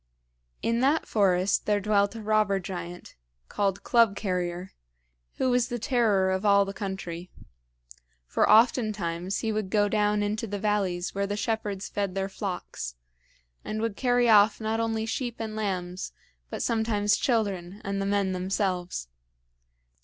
In that forest there dwelt a robber giant, called Club carrier, who was the terror of all the country. For oftentimes he would go down into the valleys where the shepherds fed their flocks, and would carry off not only sheep and lambs, but sometimes children and the men themselves.